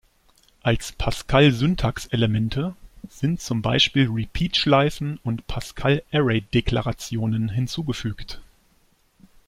Als Pascal-Syntax-Elemente sind zum Beispiel repeat-Schleifen und Pascal-Array-Deklarationen hinzugefügt.